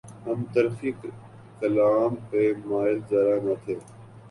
ہم تلخیِ کلام پہ مائل ذرا نہ تھے